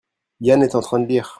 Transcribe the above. Yann est en train de lire.